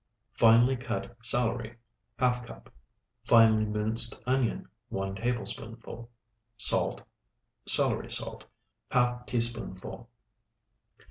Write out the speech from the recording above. Finely cut celery, ½ cup. Finely minced onion, 1 tablespoonful. Salt. Celery salt, ½ teaspoonful.